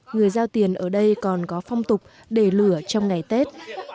người giao tiền ở đây còn có phong tục để lửa trong ngày tết